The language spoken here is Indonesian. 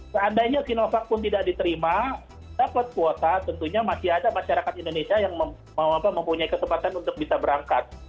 seandainya sinovac pun tidak diterima dapat kuota tentunya masih ada masyarakat indonesia yang mempunyai kesempatan untuk bisa berangkat